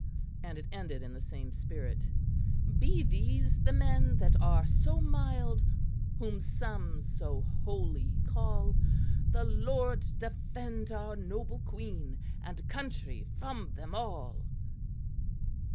And it ended in the same spirit: "Be these the men that are so mild Whom some so holy call! The Lord defend our noble Queen And country from them all!"